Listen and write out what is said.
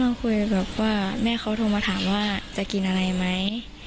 คุยแบบว่าแม่เขาโทรมาถามว่าจะกินอะไรไหม